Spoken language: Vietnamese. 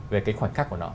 về khoảnh khắc của nó